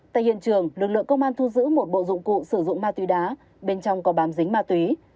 tại hiện trường lực lượng công an thu giữ một bộ dụng cụ sử dụng ma túy đá bên trong có bám dính ma túy